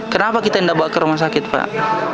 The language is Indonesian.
kenapa kita tidak bawa ke rumah sakit pak